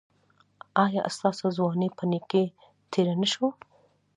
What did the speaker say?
ایا ستاسو ځواني په نیکۍ تیره نه شوه؟